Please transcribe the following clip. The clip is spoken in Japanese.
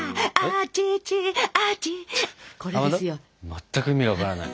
全く意味分からない。